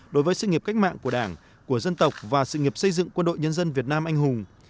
đối với sự nghiệp cách mạng của đảng của dân tộc và sự nghiệp xây dựng quân đội nhân dân việt nam anh hùng